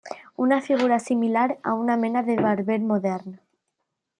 Una figura similar a una mena de barber modern.